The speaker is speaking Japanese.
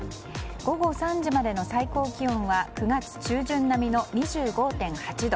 午後３時までの最高気温は９月中旬並みの２５．８度。